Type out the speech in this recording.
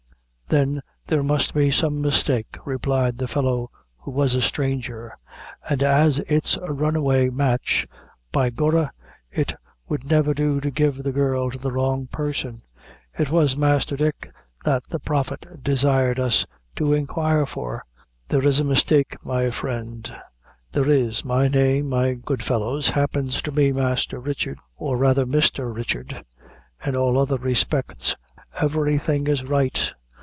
"Then there must be some mistake," replied the fellow, who was a stranger; "and as it's a runaway match, by gorra, it would never do to give the girl to the wrong person. It was Masther Dick that the Prophet desired us to inquire for." "There is a mistake, my friend; there is my name, my good fellow, happens to be Master Richard, or rather Mister Richard. In all other respects, everything is right.